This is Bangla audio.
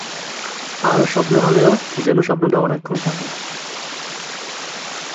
আর স্বপ্ন হলেও যেন স্বপ্নটা অনেকক্ষণ থাকে।